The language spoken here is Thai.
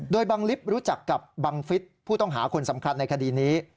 โดยบังลิฟต์รู้จักกับบังฟิศผู้ต้องหาคนสำคัญในคดีนี้